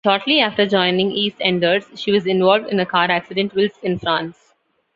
Shortly after joining EastEnders she was involved in a car accident whilst in France.